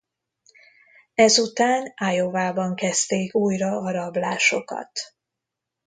Ezután Iowában kezdték újra a rablásokat.